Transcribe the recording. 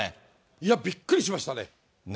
いや、びっくりしましたね。